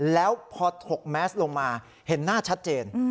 แล้วพอถกแมสลงมาเห็นหน้าชัดเจน